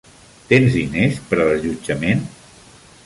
Tens diners per a l'allotjament?